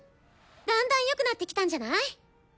だんだんよくなってきたんじゃない？